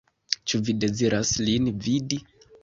Ĉu vi deziras lin vidi?